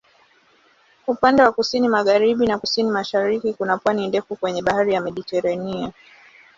Upande wa kusini-magharibi na kusini-mashariki kuna pwani ndefu kwenye Bahari ya Mediteranea.